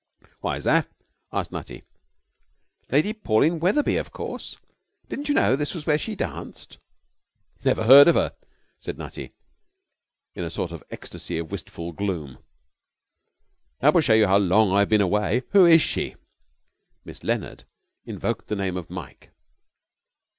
'Why's that?' asked Nutty. 'Lady Pauline Wetherby, of course. Didn't you know this was where she danced?' 'Never heard of her,' said Nutty, in a sort of ecstasy of wistful gloom. 'That will show you how long I've been away. Who is she?' Miss Leonard invoked the name of Mike.